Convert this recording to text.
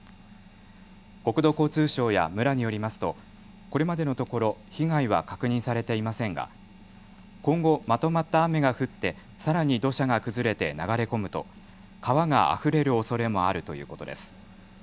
国土交通省や村によりますとこれまでのところ被害は確認されていませんが今後、まとまった雨が降ってさらに土砂が崩れて流れ込むと川があふれるおそれもあるということです。